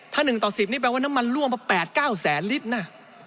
ถ้า๑ต่อ๑๐นี่แปลว่าน้ำมันล่วงมา๘๙แสนลิตรนะ